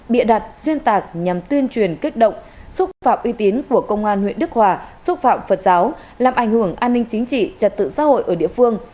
bịa đặt xuyên tạc nhằm tuyên truyền kích động xúc phạm uy tín của công an huyện đức hòa xúc phạm phật giáo làm ảnh hưởng an ninh chính trị trật tự xã hội ở địa phương